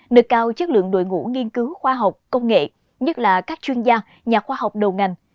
được cao chất lượng đội ngũ nghiên cứu khoa học công nghệ nhất là các chuyên gia nhà khoa học đầu ngành